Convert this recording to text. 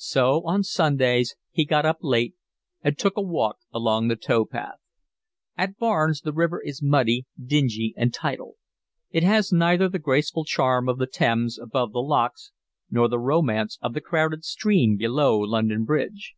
So on Sundays he got up late and took a walk along the tow path. At Barnes the river is muddy, dingy, and tidal; it has neither the graceful charm of the Thames above the locks nor the romance of the crowded stream below London Bridge.